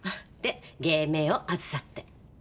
で芸名をあずさって。